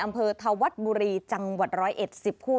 อำเภอธวัฒน์บุรีจังหวัด๑๑๐คู่